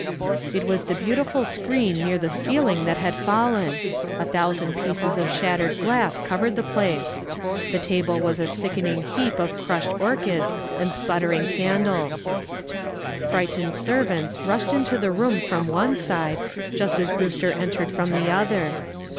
It was the beautiful screen near the ceiling that had fallen. A thousand pieces of shattered glass covered the place. The table was a sickening heap of crushed orchids and sputtering candles. Frightened servants rushed into the room from one side just as Brewster entered from the other.